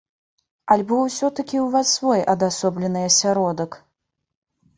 Альбо ўсё-такі ў вас свой адасоблены асяродак?